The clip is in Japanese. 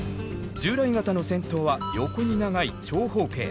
従来型の先頭は「横に長い長方形」。